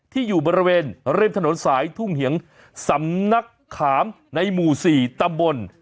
อยู่บริเวณริมถนนสายทุ่งเหียงสำนักขามในหมู่๔ตำบล